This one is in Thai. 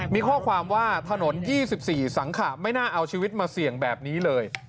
มีข้อความว่าถนน๒๔สังขะไม่น่าเอาชีวิตมาเสี่ยงแบบนี้เลย